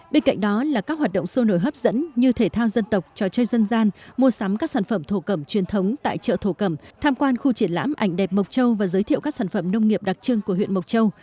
bên cạnh đó là các hoạt động sôi nổi hấp dẫn như thể thao dân tộc trò chơi dân gian mua sắm các sản phẩm thổ cẩm truyền thống tại chợ thổ cẩm tham quan khu triển lãm ảnh đẹp mộc châu và giới thiệu các sản phẩm nông nghiệp đặc trưng của huyện mộc châu